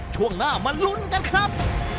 ช่วงหน้ามาลุ้นกันครับ